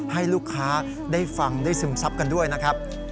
ให้ลูกค้าได้ฟังได้ซึมซับกันด้วยนะครับ